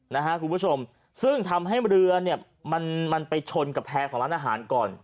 นะค่ะคุณผู้ชมซึ่งทำให้เรือไปชนกับแพลงของร้านอาหารก่อน